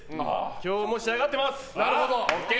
今日も仕上がっています。